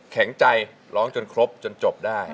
แข็งใจร้องจนครบจนจบได้